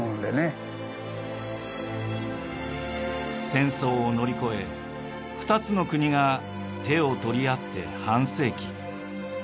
戦争を乗り越え２つの国が手を取り合って半世紀。